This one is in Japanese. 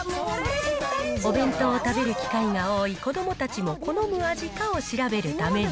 お弁当を食べる機会が多い子どもたちも好む味かを調べるために。